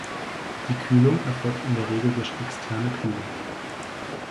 Die Kühlung erfolgt in der Regel durch externe Kühlung.